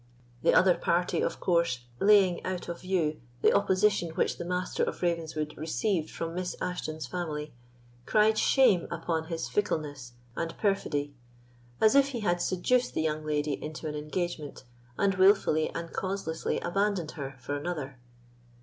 The other party, of course, laying out of view the opposition which the Master of Ravenswood received from Miss Ashton's family, cried shame upon his fickleness and perfidy, as if he had seduced the young lady into an engagement, and wilfully and causelessly abandoned her for another.